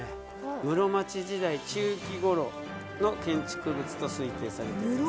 室町時代中期ごろの建築物と推定されております。